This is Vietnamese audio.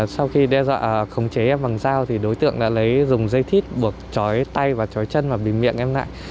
sau đó đối tượng đã lấy dùng dây thít buộc chói tay và chói chân và bị miệng em lại